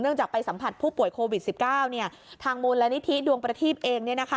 จากไปสัมผัสผู้ป่วยโควิด๑๙ทางมูลนิธิดวงประทีปเอง